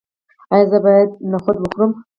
ایا زه باید نخود وخورم؟